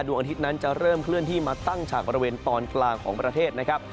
อาทิตย์นั้นจะเริ่มเคลื่อนที่มาตั้งฉากบริเวณตอนกลางของประเทศนะครับ